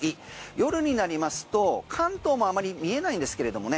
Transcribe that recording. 夜になりますと関東もあまり見えないんですけれどもね